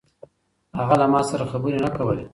هغه له ما سره خبرې نه کولې.